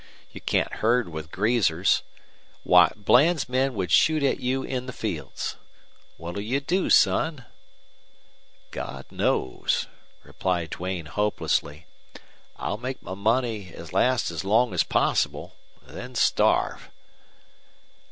You can't herd with greasers. Why, Bland's men would shoot at you in the fields. What'll you do, son?" "God knows," replied Duane, hopelessly. "I'll make my money last as long as possible then starve."